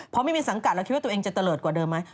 พอไม่มีสังกัดเราคิดว่าตัวเองจะเตลิศกว่าเดิมไหม